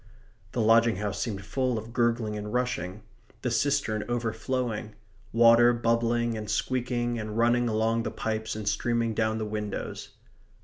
The lodging house seemed full of gurgling and rushing; the cistern overflowing; water bubbling and squeaking and running along the pipes and streaming down the windows.